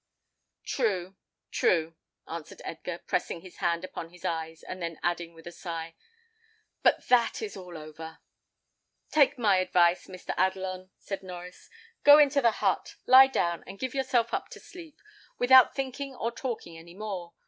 "True, true," answered Edgar, pressing his hand upon his eyes, and then adding with a sigh, "but that is over." "Take my advice, Mr. Adelon," said Norries. "Go into the hut, lie down, and give yourself up to sleep, without thinking or talking any more.